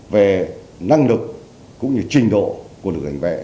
về năng lực cũng như trình độ của lực lượng cảnh vệ